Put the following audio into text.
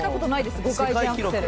５回転アクセル。